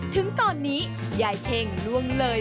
ถึงตอนนี้ยายเช่งล่วงเลย